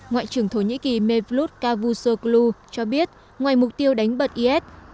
ngoại trưởng thổ nhĩ kỳ mevlut cavusoglu cho biết ngoài mục tiêu đánh bật is